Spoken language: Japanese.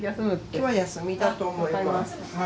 今日は休みだと思います。